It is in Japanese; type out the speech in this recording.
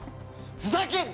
ふざけんな！